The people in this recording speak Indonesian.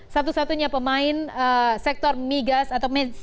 satu satunya pemain sektor migas atau sektor minyak bumi